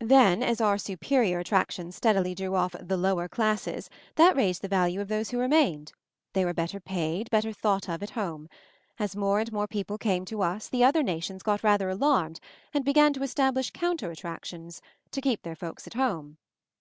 Then, as our superior attrac tions steadily drew off 'the lower classes,' that raised the value of those who remained. They were better paid, better thought of at home. As more and more people came to us, the other nations got rather alarmed, MOVING THE MOUNTAIN 57 and began to establish counter attractions — to keep their folks at home.